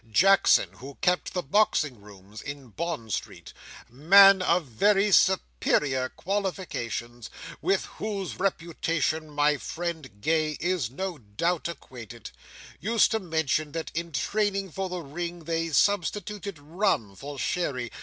Jackson, who kept the boxing rooms in Bond Street—man of very superior qualifications, with whose reputation my friend Gay is no doubt acquainted—used to mention that in training for the ring they substituted rum for sherry.